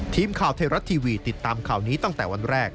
ทีมข่าวไทยรัฐทีวีติดตามข่าวนี้ตั้งแต่วันแรก